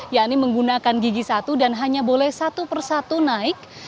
yakni menggunakan gigi satu dan hanya boleh satu persatu naik